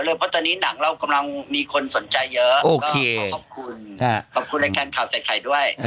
เพราะตอนนี้หนังเรากำลังมีคนสนใจเยอะก็ขอบคุณขอบคุณรายการข่าวใส่ไข่ด้วย